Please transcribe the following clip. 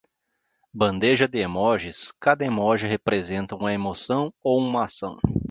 Bandeja de emojis, cada emoji representa uma emoção ou ação